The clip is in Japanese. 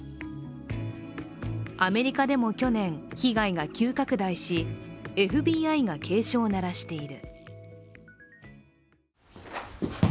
アメリカでも去年、被害が急拡大し、ＦＢＩが警鐘を鳴らしている。